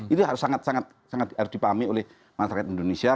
ini harus sangat sangat harus dipahami oleh masyarakat indonesia